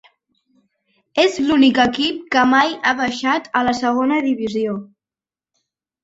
És l'únic equip que mai ha baixat a la segona divisió.